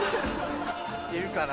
いるかな？